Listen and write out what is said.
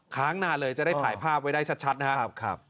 ค้างนานเลยจะได้ถ่ายภาพไว้ได้ชัดนะครับ